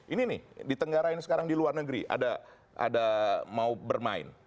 ini nih di tenggara ini sekarang di luar negeri ada mau bermain